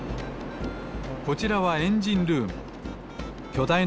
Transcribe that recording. こちらはエンジンルーム。